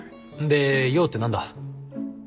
で用って何だ？